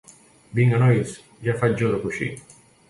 Vinga, nois, ja faig jo de coixí.